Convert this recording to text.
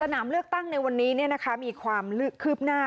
นามเลือกตั้งในวันนี้มีความคืบหน้า